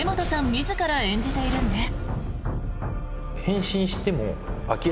自ら演じているんです。